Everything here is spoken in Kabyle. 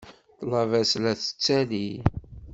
Ṭṭlaba-s la tettali.